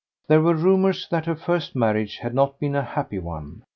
There were rumours that her first marriage had not been a happy one.